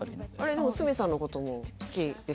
でも鷲見さんのことも好きでしたもんね